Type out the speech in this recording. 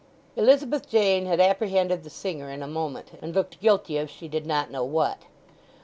Elizabeth Jane had apprehended the singer in a moment, and looked guilty of she did not know what.